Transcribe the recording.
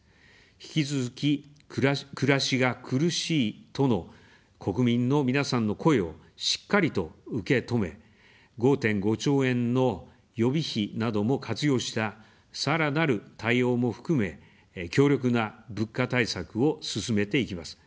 引き続き、暮らしが苦しいとの国民の皆さんの声をしっかりと受け止め、５．５兆円の予備費なども活用した、さらなる対応も含め、強力な物価対策を進めていきます。